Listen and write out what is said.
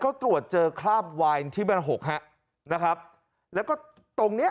เขาตรวจเจอคราบวายที่เป็น๖นะครับแล้วก็ตรงนี้